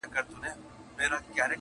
د مطرب به په شهباز کي غزل نور وي-